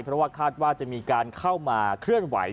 เพราะว่าคาดว่าจะมีการเข้ามาเคลื่อนไหว